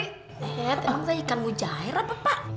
eh emang saya ikan mujairah bapak